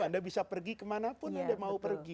anda bisa pergi kemana pun anda mau pergi